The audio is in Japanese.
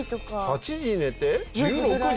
８時寝て１６時？